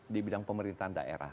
di bidang pemerintahan daerah